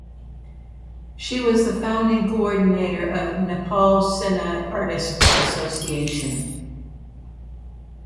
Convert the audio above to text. She was the founding coordinator of Nepal Cine Artists Association.